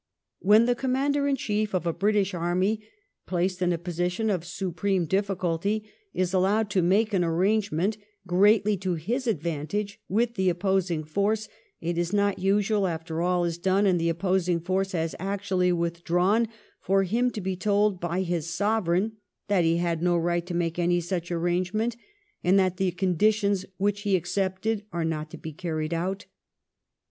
When the Commander in Chief of a British army, placed in a position of supreme difficulty, is allowed to make an arrangement, greatly to his own advantage, with the opposing force, it is not usual after all is done and the opposing force has actually withdrawn, for him to be told by his Sovereign that he had no right to make any such arrangement, and that the conditions which he ac cepted are not to be carried out.